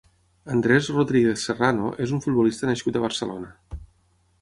Andrés Rodríguez Serrano és un futbolista nascut a Barcelona.